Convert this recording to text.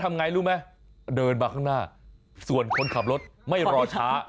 มันมาข้างหน้าส่วนคนขับรถไม่รอช้า